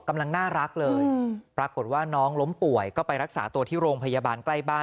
กำลังน่ารักเลยปรากฏว่าน้องล้มป่วยก็ไปรักษาตัวที่โรงพยาบาลใกล้บ้าน